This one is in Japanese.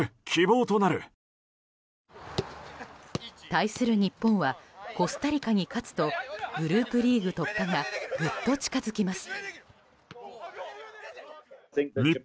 対する日本はコスタリカに勝つとグループリーグ突破がぐっと近づきます。